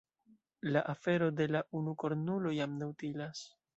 La afero de la unukornulo jam ne utilas.